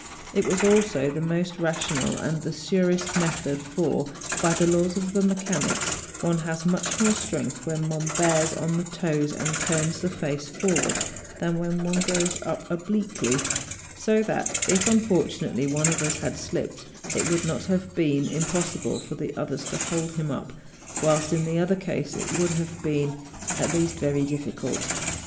It was also the most rational and the surest method; for, by the laws of mechanics, one has much more strength when one bears on the toes and turns the face forwards, than when one goes up obliquely; so that if unfortunately one of us had slipped it would not have been im¬ possible for the others to hold him up, whilst in the other case it would have been at least very difficult.